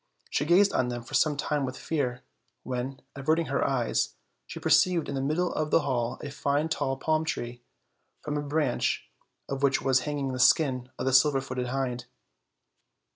She gazed on them for some time with fear; when, averting her eyes, she perceived in the middle of the hall a fine tall palm tree, from a branch of which was hanging the skin of the silver footed hind.